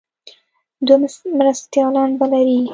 دوه مرستیالان به لري.